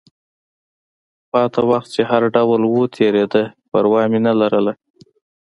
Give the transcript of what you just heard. پاتې وخت چې هر ډول و، تېرېده، پروا مې نه لرله.